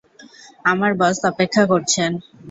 আমার বস অপেক্ষা করছেন।